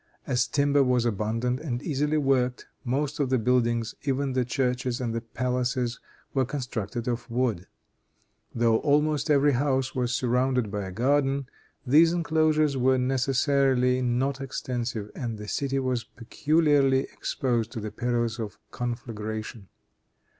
As timber was abundant and easily worked, most of the buildings, even the churches and the palaces, were constructed of wood. Though almost every house was surrounded by a garden, these enclosures were necessarily not extensive, and the city was peculiarly exposed to the perils of conflagration.